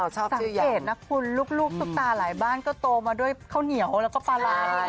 สังเกตนะคุณลูกซุปตาหลายบ้านก็โตมาด้วยข้าวเหนียวแล้วก็ปลาร้าเลย